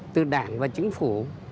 từ đảng và chính phủ